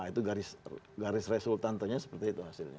itu garis resultantonya seperti itu hasilnya